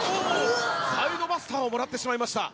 サイドバスターをもらってしまいました。